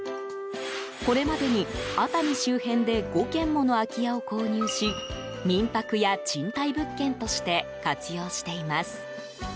これまでに、熱海周辺で５軒もの空き家を購入し民泊や賃貸物件として活用しています。